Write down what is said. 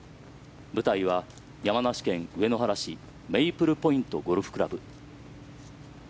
舞台は山梨県上野原市メイプルポイントゴルフクラブ。